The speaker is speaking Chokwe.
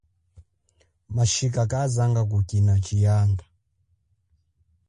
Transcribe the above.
Matshika kazanga kukina tshiyanda.